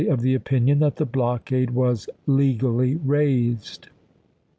of the opinion that the blockade was legally raised.